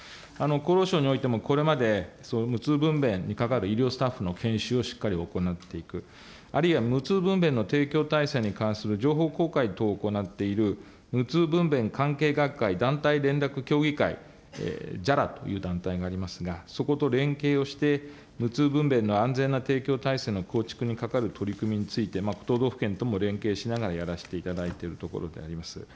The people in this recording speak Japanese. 厚労省においてもこれまで無痛分娩にかかる医療スタッフの研修をしっかり行っていく、あるいは無痛分娩の提供体制に関する情報公開等を行っている無痛分娩関係学会団体連絡協議会ジャラという団体がありますが、そこと連携をして、無痛分娩の安全な提供体制の構築にかかる取り組みについて、都道府県とも連携しながらやらせていただいているところでございます。